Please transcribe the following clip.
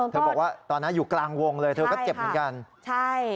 บอกว่าตอนนั้นอยู่กลางวงเลยเธอก็เจ็บเหมือนกันใช่